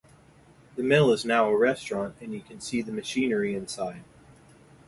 The mill is now a restaurant and you can see the machinery inside.